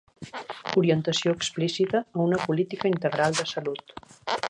Orientació explícita a una política integral de salut.